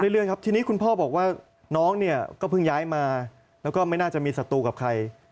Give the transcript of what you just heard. เรื่อยครับทีนี้คุณพ่อบอกว่าน้องเนี่ยก็เพิ่งย้ายมาแล้วก็ไม่น่าจะมีศัตรูกับใคร